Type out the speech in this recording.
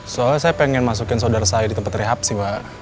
soalnya saya pengen masukin saudara saya di tempat rehab sih mbak